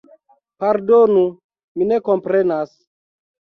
Pardonu, mi ne komprenas.